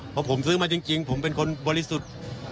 เพราะผมซื้อมาจริงผมเป็นคนบริสุทธิ์